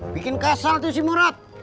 bikin kasal tuh si murad